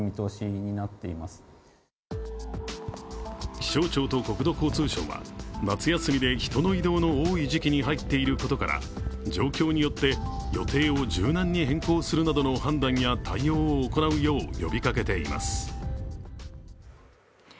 気象庁と国土交通省は、夏休みで人の移動の多い時期に入っていることから状況によって、予定を柔軟に変更するなどの判断や対応を行うよう呼びかけています。